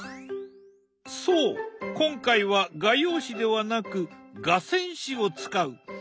そう今回は画用紙ではなく画仙紙を使う。